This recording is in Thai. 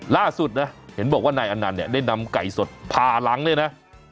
ล่าสุดนะเห็นบอกว่านายอนันต์เนี่ยได้นำไก่สดผ่าหลังเลยนะ